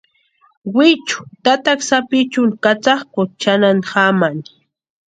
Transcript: Wichu tataka sapichuni katsakʼusti chʼanani jamani.